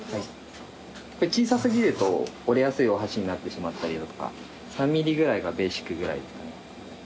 小さ過ぎると折れやすいお箸になってしまったりだとか３ｍｍぐらいがベーシックぐらいで。